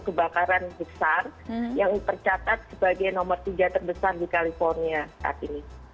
kebakaran besar yang tercatat sebagai nomor tiga terbesar di california saat ini